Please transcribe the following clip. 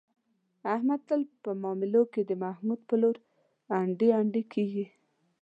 احمد تل په معاملو کې، د محمود په لور انډي انډي کېږي.